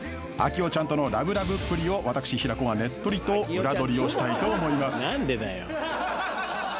啓代ちゃんとのラブラブっぷりを私平子がねっとりと裏どりをしたいと思います。